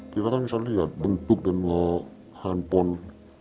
kita kan bisa lihat bentuk dan nilai handphone